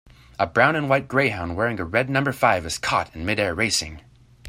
A brown and white greyhound wearing a red number five is caught in midair racing.